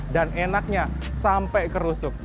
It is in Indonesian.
dan enaknya sampai kerusuk